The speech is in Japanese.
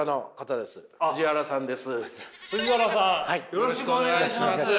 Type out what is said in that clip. よろしくお願いします。